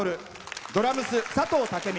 ドラムス、佐藤武美。